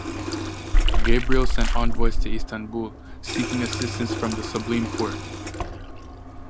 Gabriel sent envoys to Istanbul, seeking assistance from the Sublime Porte.